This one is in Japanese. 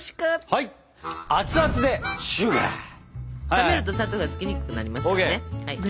冷めると砂糖がつきにくくなりますからね。